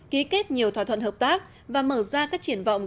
ký kết nhiều thỏa thuận hợp tác và mở ra các triển vọng